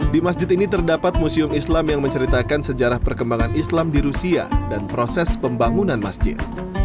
di masjid ini terdapat museum islam yang menceritakan sejarah perkembangan islam di rusia dan proses pembangunan masjid